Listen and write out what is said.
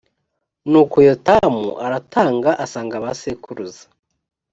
nuko yotamu aratanga asanga ba sekuruza